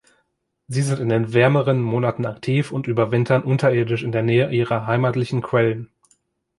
Sie sind in den wärmeren Monaten aktiv und überwintern unterirdisch in der Nähe ihrer heimatlichen Quellen.